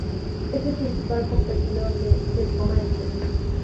Es el principal competidor de "El Comercio".